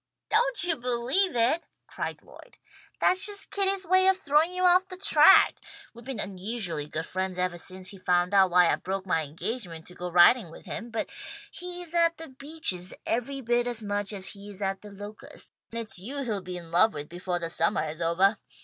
"Don't you believe it!" cried Lloyd. "That's just Kitty's way of throwing you off the track. We've been unusually good friends evah since he found out why I broke my engagement to go riding with him, but he is at The Beeches every bit as much as he is at The Locusts, and it's you he'll be in love with befoah the summah is ovah.